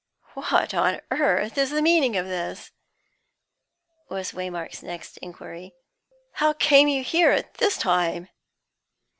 "What on earth is the meaning of this?" was Waymark's next inquiry. "How came you here at this time?"